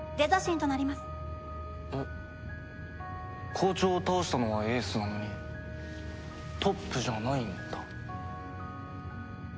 校長を倒したのは英寿なのにトップじゃないんだ。